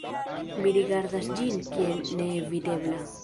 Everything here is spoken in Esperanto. Mi rigardas ĝin kiel neevitebla.